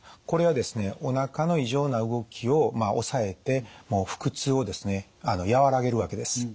これはですねおなかの異常な動きを抑えて腹痛を和らげるわけです。